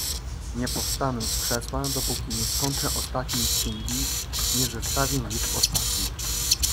"Nie powstanę z krzesła, dopóki nie skończę ostatniej księgi, nie zestawię liczb ostatnich."